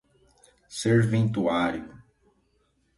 serventuário